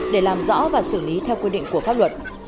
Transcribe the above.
để làm rõ và xử lý theo quy định của hà nội